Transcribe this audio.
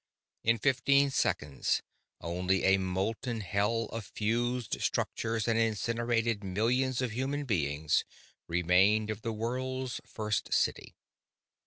In fifteen seconds, only a molten hell of fused structures and incinerated millions of human beings remained of the world's first city.